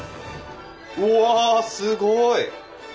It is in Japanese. うわすごい！